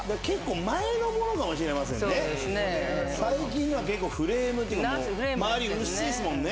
最近のはフレームっていうか周り薄いですもんね。